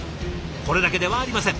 これだけではありません。